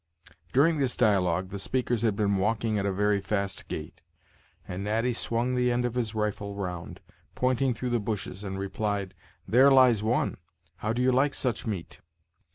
During this dialogue, the speakers had been walking at a very fast gait, and Natty swung the end of his rifle round, pointing through the bushes, and replied: "There lies one. How do you like such meat?"